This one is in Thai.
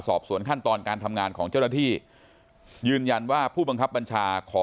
สอบสวนขั้นตอนการทำงานของเจ้าหน้าที่ยืนยันว่าผู้บังคับบัญชาขอ